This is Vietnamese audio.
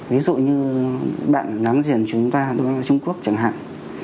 ví dụ như bạn nắm giềng chúng ta trung quốc chẳng hạn